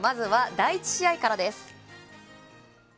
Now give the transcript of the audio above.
第１試合からです。